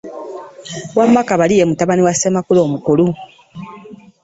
Wamma Kabali ye mutabani wa Ssemakula omukulu?